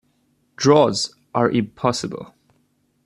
Draws are impossible.